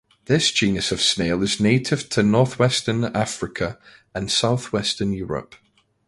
This genus of snail is native to northwestern Africa and southwestern Europe.